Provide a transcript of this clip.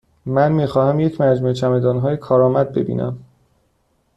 من می خواهم یک مجموعه چمدانهای کارآمد ببینم.